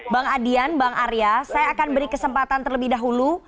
bang adian bang arya saya akan beri kesempatan terlebih dahulu